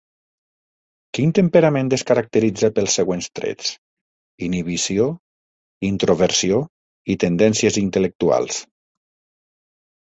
Quin temperament es caracteritza pels següents trets: inhibició, introversió i tendències intel·lectuals?